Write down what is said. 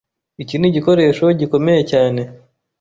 Iki nigikoresho gikomeye cyane.